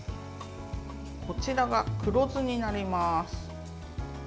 こちらが黒酢になります。